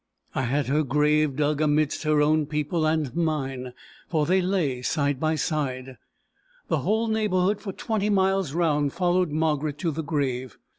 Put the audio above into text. I had her grave dug amidst her own people and mine; for they lay side by side. The whole neighbourhood for twenty miles round followed Margaret to the grave.